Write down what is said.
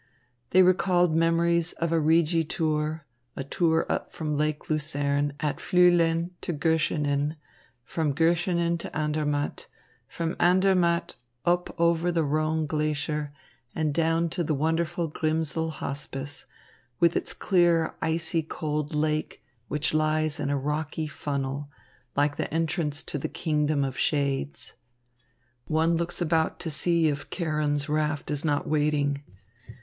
They recalled memories of a Rigi tour, a tour up from Lake Lucerne at Fluelen to Göschenen, from Göschenen to Andermatt, from Andermatt up over the Rhone glacier and down to the wonderful Grimsel Hospice, with its clear icy cold lake, which lies in a rocky funnel, like the entrance to the kingdom of shades. One looks about to see if Charon's raft is not waiting.